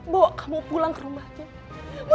bu kamu pulang ke rumahnya